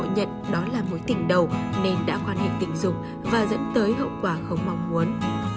nhận đó là mối tình đầu nên đã quan hệ tình dục và dẫn tới hậu quả không mong muốn